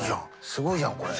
すごいじゃんこれ。